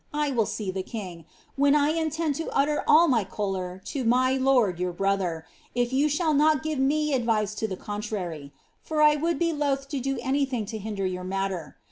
I will see the king, when 1 intend to utter all my choler to my lord your brother, if you shall not give me advice to the contrary; for I would be loth to do any thing to hinder your matter.